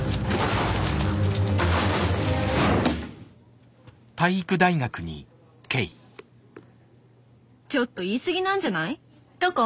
ちょっと言い過ぎなんじゃない？とか思ってるでしょ。